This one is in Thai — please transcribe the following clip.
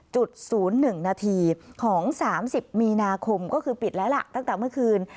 จุดศูนย์หนึ่งนาทีของ๓๐มีนาคมก็คือปิดแล้วล่ะตั้งแต่เมื่อคืน